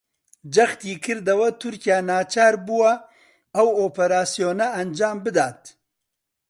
جەختیکردەوە تورکیا ناچار بووە ئەو ئۆپەراسیۆنە ئەنجامبدات